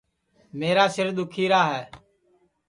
میرا سِر دُؔکھیرا ہے